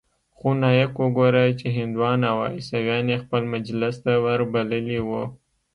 خو نايک وګوره چې هندوان او عيسويان يې خپل مجلس ته وربللي وو.